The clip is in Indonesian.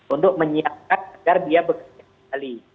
untuk menyiapkan agar dia bekerja ke bali